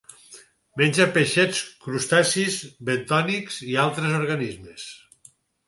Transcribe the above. Menja peixets, crustacis bentònics i d'altres organismes.